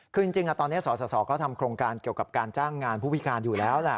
คือจริงตอนนี้สสก็ทำโครงการเกี่ยวกับการจ้างงานผู้พิการอยู่แล้วแหละ